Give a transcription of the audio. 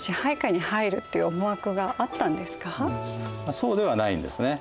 そうではないんですね。